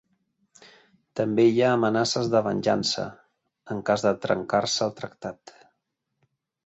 També hi ha amenaces de venjança, en cas de trencar-se el tractat.